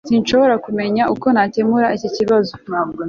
sinshobora kumenya uko nakemura iki kibazo